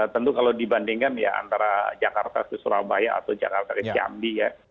tentu kalau dibandingkan ya antara jakarta ke surabaya atau jakarta ke jambi ya